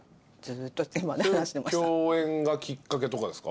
それ共演がきっかけとかですか？